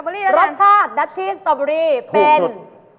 รสชาติดัชชีสตอเบอรี่เป็น